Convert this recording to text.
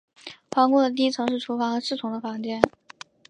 皇宫的第一层是厨房和侍从的房间。